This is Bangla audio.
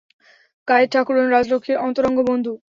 কায়েত-ঠাকরুন রাজলক্ষ্মীর অন্তরঙ্গ বন্ধু।